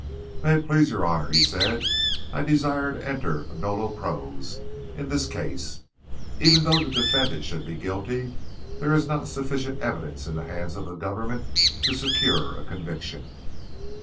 "May it please your honour," he said, "I desire to enter a nolle pros. in this case. Even though the defendant should be guilty, there is not sufficient evidence in the hands of the government to secure a conviction.